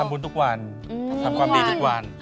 บุญทุกวันทำความดีทุกวัน